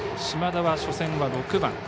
嶋田は初戦は６番。